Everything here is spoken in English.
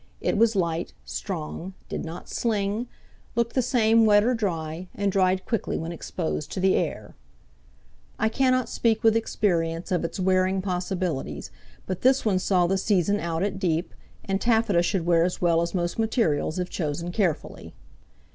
It was light, strong, did not sling, looked the same wet or dry, and dried quickly when exposed to the air. I cannot speak with experience of its wearing possibilities, but this one saw the season out at Dieppe, and taffeta should wear as well as most materials if chosen carefully.